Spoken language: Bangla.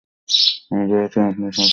আমি ভেবেছিলাম আপনি সারপ্রাইজ পছন্দ করেছেন।